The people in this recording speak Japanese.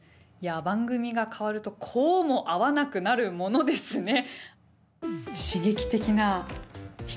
番組が変わると、こうも会わなくなくなるものですね。